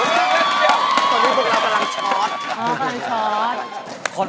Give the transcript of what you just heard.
เพราะสักปีพวกเราพารองค์ชอส